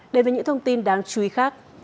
đến với những thông tin đáng chú ý khác